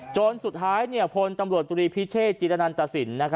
จนสุดท้ายพลตำรวจตรีพิเชษจิรนันตสิน